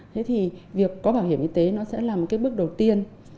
thế thì việc có bảo hiểm y tế nó sẽ là một cái bước đầu tiên